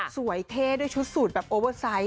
สวยเท่ด้วยชุดโอเวอร์ไซต์